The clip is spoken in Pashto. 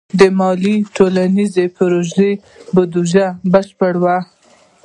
مالیه د ټولنیزو پروژو بودیجه بشپړوي.